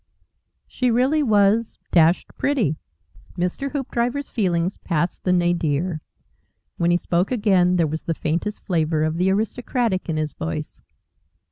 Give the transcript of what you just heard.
She really was dashed pretty. Mr. Hoopdriver's feelings passed the nadir. When he spoke again there was the faintest flavour of the aristocratic in his voice.